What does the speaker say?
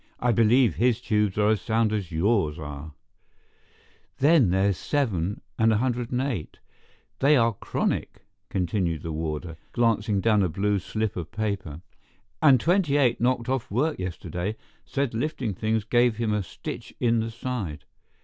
I believe his tubes are as sound as yours are." "Then there's 7 and 108, they are chronic," continued the warder, glancing down a blue slip of paper. "And 28 knocked off work yesterday—said lifting things gave him a stitch in the side.